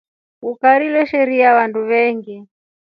Ikari leshiira vandu veengi.